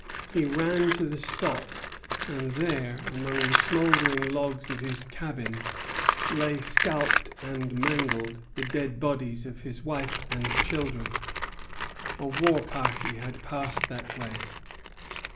He ran to the spot; and there, among the smouldering logs of his dwelling, lay, scalped and mangled, the dead bodies of wife and children. A war party had passed that way.